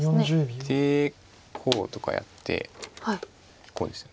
でこうとかやってこうですよね。